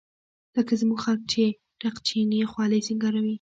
لکه زموږ خلق چې رخچينې خولۍ سينګاروي.